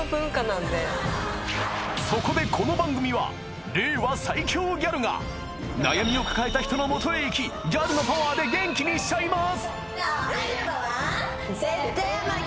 ［そこでこの番組は令和最強ギャルが悩みを抱えた人の元へ行きギャルのパワーで元気にしちゃいます］